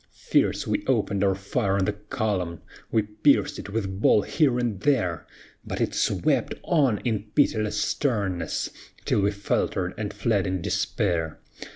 Fierce we opened our fire on the column, We pierced it with ball here and there; But it swept on in pitiless sternness Till we faltered and fled in despair.